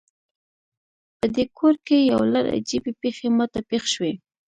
پدې کور کې یو لړ عجیبې پیښې ما ته پیښ شوي